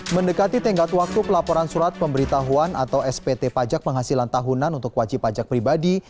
mendekati tenggat waktu pelaporan surat pemberitahuan atau spt pajak penghasilan tahunan untuk wajib pajak pribadi